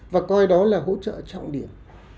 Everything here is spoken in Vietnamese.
và coi đó là hỗ trợ trọng điểm